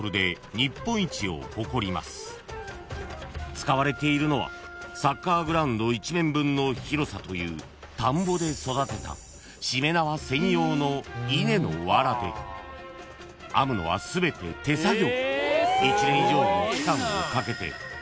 ［使われているのはサッカーグラウンド一面分の広さという田んぼで育てたしめ縄専用の稲のわらで編むのは全て手作業］